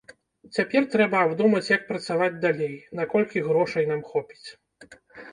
Цяпер трэба абдумаць як працаваць далей, наколькі грошай нам хопіць.